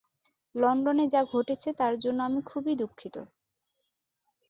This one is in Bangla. লন্ডনে যা ঘটেছে তার জন্য আমি খুবই দুঃখিত।